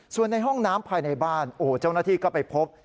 ส่วนในห้องน้ำภายในบ้านโอ้โหเจ้าหน้าที่ก็ไปพบ